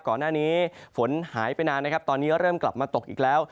ก่อนหน้านี้ฝนหายไปนานนะครับตอนนี้เริ่มกลับมาตกอีกแล้ว